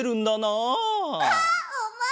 ああ。